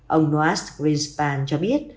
ông noas grinspan cho biết